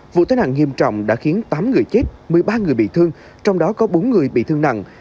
vụ tai nạn nghiêm trọng đã khiến tám người chết một mươi ba người bị thương trong đó có bốn người bị thương nặng